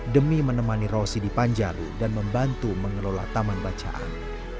demi menemani rosi di panjalu dan membantu mengelola taman bacaan